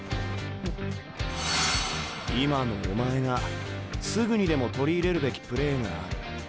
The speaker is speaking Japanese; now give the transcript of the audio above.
今のお前がすぐにでも取り入れるべきプレーがある。